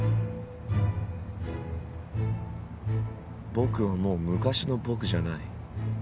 僕はもう昔の僕じゃない。